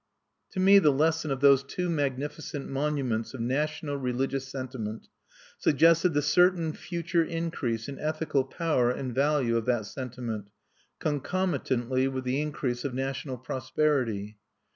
To me the lesson of those two magnificent monuments of national religious sentiment suggested the certain future increase in ethical power and value of that sentiment, concomitantly with the increase of national prosperity.